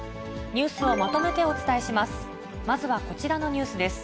ニュースをまとめてお伝えします。